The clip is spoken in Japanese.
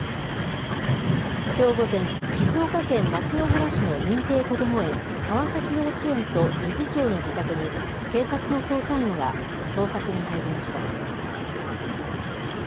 きょう午前、静岡県牧之原市の認定こども園、川崎幼稚園と理事長の自宅に、警察の捜査員が捜索に入りました。